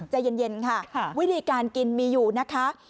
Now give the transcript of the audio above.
ใจเย็นค่ะวิธีการกินมีอยู่นะคะ